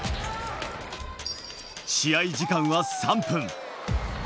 試合時間は３分。